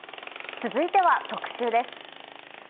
続いては特集です。